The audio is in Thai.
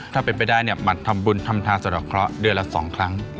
ถ้าเป็นไปได้เนี่ยหมัดทำบุญทำทานสะดอกเคราะห์เดือนละ๒ครั้ง